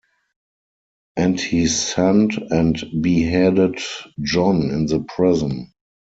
And he sent, and beheaded John in the prison.